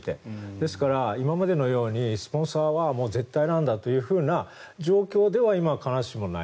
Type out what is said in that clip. ですから、今までのようにスポンサーは絶対なんだというような状況では今、必ずしもない。